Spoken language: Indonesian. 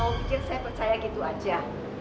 bu kamu pikir saya percaya gitu aja